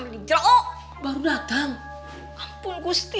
dari tadi itu gak semua cek tuh